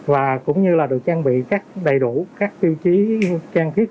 và cũng như là được trang bị các đầy đủ các tiêu chí trang thiết